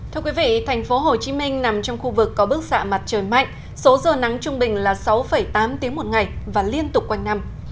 thưa quý vị thành phố hồ chí minh nằm trong khu vực có bức xạ mặt trời mạnh số giờ nắng trung bình là sáu tám tiếng một ngày và liên tục quanh năm